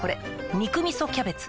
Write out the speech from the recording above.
「肉みそキャベツ」